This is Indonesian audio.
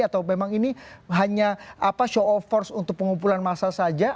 atau memang ini hanya show of force untuk pengumpulan massa saja